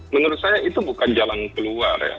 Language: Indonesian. menurut saya itu bukan jalan keluar ya